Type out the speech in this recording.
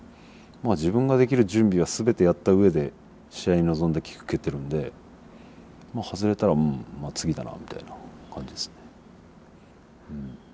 自分ができる準備は全てやった上で試合に臨んでキック蹴ってるんで外れたらまあ次だなみたいな感じですね。